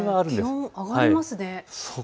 気温、上がりますね。